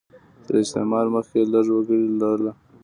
تر استعمار مخکې یې لږ وګړي لرل.